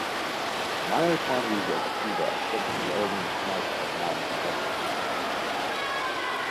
Minor quantities of akebia are shipped to the urban market as novelty vegetable.